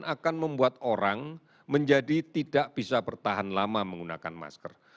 akan membuat orang menjadi tidak bisa bertahan lama menggunakan masker